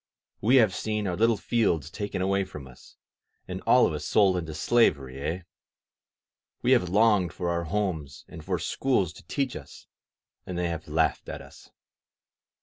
We have seen our little fields taken away from us, and all of us sold into slavery, eh? We have longed for our homes and for schools to teach us, and they have laughed at us.